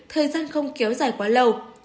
thời gian không kéo dài quá lâu